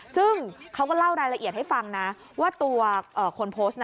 ซึ่งเขาก็เล่ารายละเอียดให้ฟังนะว่าตัวคนโพสต์นะ